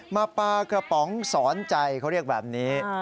มาปลากระป๋องสอนใจเขาเรียกแบบนี้